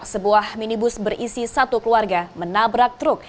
sebuah minibus berisi satu keluarga menabrak truk